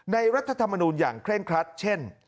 รัฐธรรมนูลอย่างเคร่งครัดเช่น